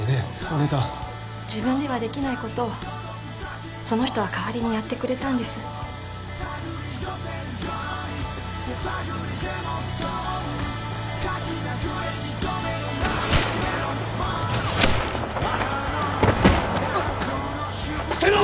あなた自分ではできないことをその人は代わりにやってくれたんです伏せろ！